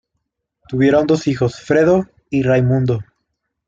Tuvieron dos hijos: Fredo y Raimundo.